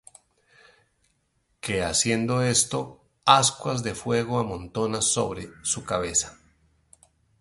que haciendo esto, ascuas de fuego amontonas sobre su cabeza.